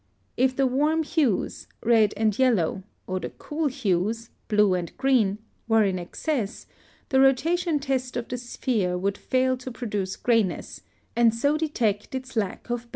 If the warm hues (red and yellow) or the cool hues (blue and green) were in excess, the rotation test of the sphere would fail to produce grayness, and so detect its lack of balance.